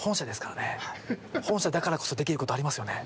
本社だからこそできることありますよね？